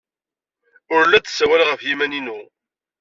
Ur la d-ssawaleɣ ɣef yiman-inu.